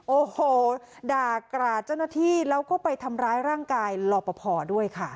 โอ้โหด่ากราดเจ้าหน้าที่แล้วก็ไปทำร้ายร่างกายรอปภด้วยค่ะ